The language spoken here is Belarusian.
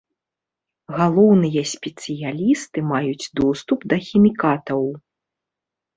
Галоўныя спецыялісты маюць доступ да хімікатаў.